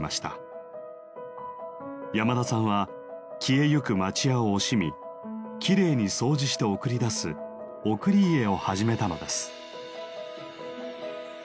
やまださんは消えゆく町家を惜しみきれいに掃除して送り出す「おくりいえ」を始めたのです。